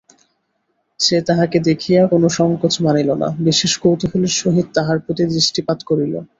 সে তাহাকে দেখিয়া কোনো সংকোচ মানিল না–বিশেষ কৌতূহলের সহিত তাহার প্রতি দৃষ্টিপাত করিল।